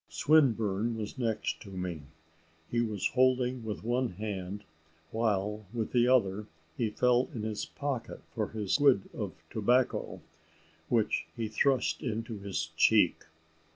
Swinburne was next to me. He was holding with one hand, while with the other he felt in his pocket for his quid of tobacco, which he thrust into his cheek.